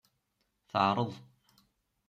Teɛreḍ.